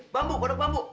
bambu pondok bambu